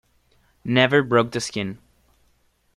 Never broke the skin.